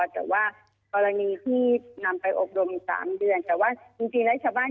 แต่ว่ากรณีที่นำไปอบรม๓เดือนแต่ว่าจริงแล้วชาวบ้าน